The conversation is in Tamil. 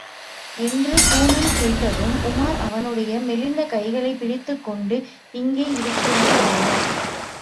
என்று கூனன் கேட்டதும், உமார் அவனுடைய மெலிந்த கைகளைப் பிடித்துக் கொண்டு, இங்கே யிருக்கிறாளா?